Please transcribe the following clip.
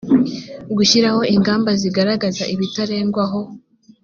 gushyiraho ingamba zigaragaza ibitarengwaho